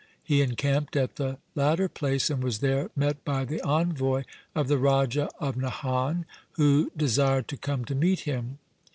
He encamped at the latter place, and was there met by the envoy of the Raja of Nahan, who desired to come to meet him.